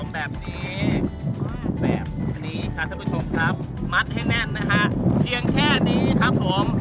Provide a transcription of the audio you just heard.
แบบนี้ครับท่านผู้ชมมัดให้แน่นเพียงแค่นี้ครับผม